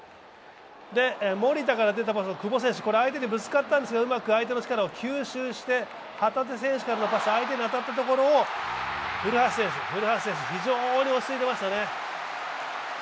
守田から出たパスに久保選手、相手にぶつかったんですけどうまく相手の力を吸収して旗手選手からのパスが相手に当たったところを古橋選手、非常に落ち着いていましたね。